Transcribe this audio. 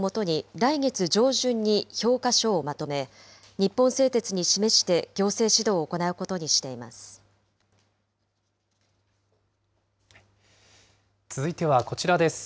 千葉県は出された意見をもとに来月上旬に評価書をまとめ、日本製鉄に示して行政指導を行うことに続いてはこちらです。